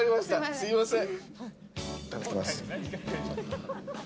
すみません。